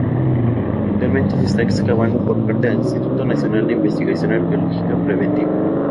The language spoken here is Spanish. Actualmente se está excavando por parte del Instituto Nacional de Investigación Arqueológica Preventiva.